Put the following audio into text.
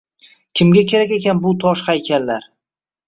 Kimga kerak ekan bu tosh haykallar?..